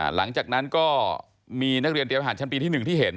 หลังจากนั้นก็มีนักเรียนเตรียมอาหารชั้นปีที่๑ที่เห็น